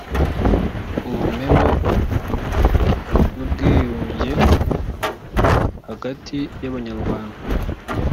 ubumewe n ubwiyunge hagati y abanyarwanda